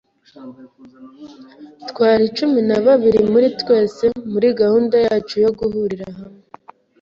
Twari cumi na babiri muri twese muri gahunda yacu yo guhurira hamwe.